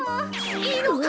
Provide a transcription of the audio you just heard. いいのか？